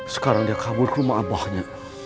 sekarang dia kabur ke rumah abahnya